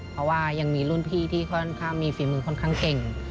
เพราะว่ายังมีรุ่นพี่ที่ค่อนข้างมีฝีมือค่อนข้างเก่ง